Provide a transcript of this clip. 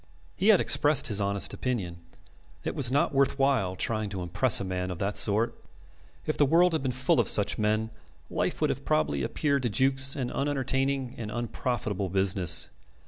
He had expressed his honest opinion. It was not worthwhile trying to impress a man of that sort. If the world had been full of such men, life would have probably appeared to Jukes an unentertaining and unprofitable business.